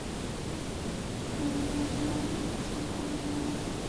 常青车辆段预留有上盖物业开发条件。